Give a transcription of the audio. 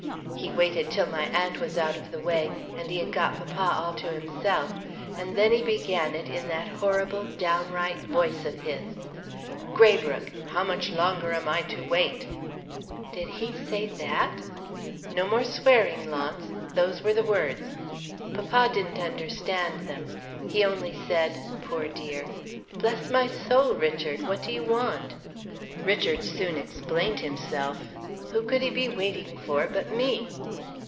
He waited till my aunt was out of the way, and he had got papa all to himself, and then he began it in that horrible, downright voice of his 'Graybrooke! how much longer am I to wait?'" "Did he say that?" "No more swearing, Launce! Those were the words. Papa didn't understand them. He only said (poor dear!) 'Bless my soul, Richard, what do you want?' Richard soon explained himself. 'Who could he be waiting for but Me?'